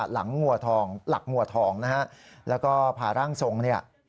หลังงัวทองหลักงัวทองนะฮะแล้วก็พาร่างทรงเนี่ย